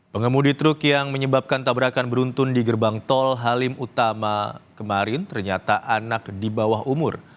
pengemudi truk yang menyebabkan tabrakan beruntun di gerbang tol halim utama kemarin ternyata anak di bawah umur